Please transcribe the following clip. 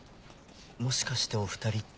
もしかしてお２人って。